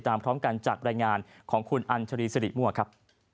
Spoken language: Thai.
ต้องการจัดรายงานของคุณอันชรีศรีมั่วครับ